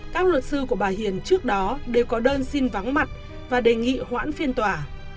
các luật sư của bà hiền trước đó đều có đơn xin vắng mặt và đề nghị hoãn phiên tòa